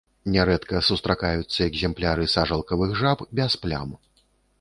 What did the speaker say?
Нярэдка сустракаюцца экземпляры сажалкавых жаб без плям.